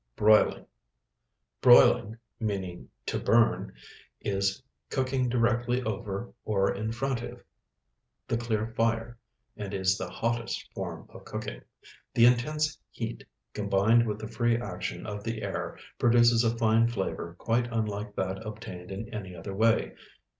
BROILING Broiling, meaning "to burn," is cooking directly over, or in front of, the clear fire, and is the hottest form of cooking. The intense heat, combined with the free action of the air, produces a fine flavor quite unlike that obtained in any other way.